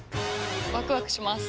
ワクワクします。